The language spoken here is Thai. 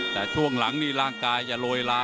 แต่ช่วงหลังนี่ร่างกายจะโรยล้า